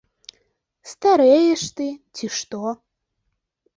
Старэеш ты, ці што?